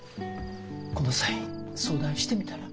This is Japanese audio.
この際相談してみたら？